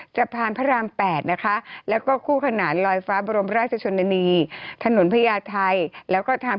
จับพาลพระราม๘นะคะ